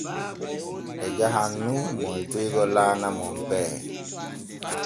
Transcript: Ɓe jahan nun moytoygo laana Monpee.